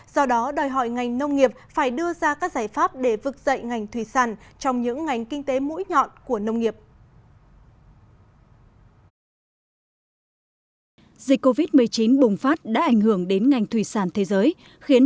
do đó đòi hỏi ngành nông nghiệp phải đưa ra các giải pháp để vực dậy ngành thủy sản trong những ngành kinh tế mũi nhọn của nông nghiệp